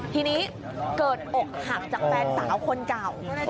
ทีนี้เกิดอกหักจากแฟนสาวคนเก่า